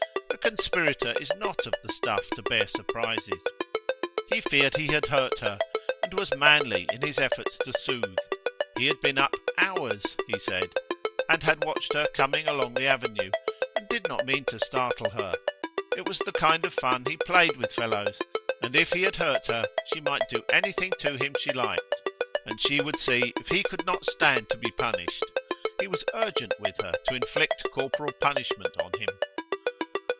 A conspirator is not of the stuff to bear surprises. He feared he had hurt her, and was manly in his efforts to soothe: he had been up "hours", he said, and had watched her coming along the avenue, and did not mean to startle her: it was the kind of fun he played with fellows, and if he had hurt her, she might do anything to him she liked, and she would see if he could not stand to be punished. He was urgent with her to inflict corporal punishment on him.